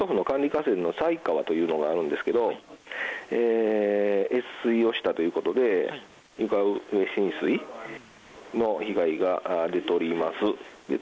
河川の犀川というのがあるんですが越水をしたということで床上浸水の被害が出ております。